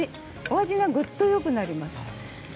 お味が、ぐっとよくなります。